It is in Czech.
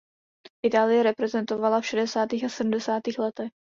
Itálii reprezentovala v šedesátých a sedmdesátých letech.